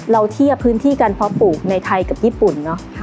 เราเทียบพื้นที่การเพาะปลูกในไทยกับญี่ปุ่นเนอะ